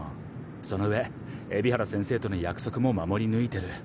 そのうえ海老原先生との約束も守り抜いてる。